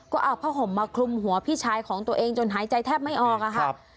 ก็เอาผ้าห่มมาคลุมหัวพี่ชายของตัวเองจนหายใจแทบไม่ออกอะค่ะ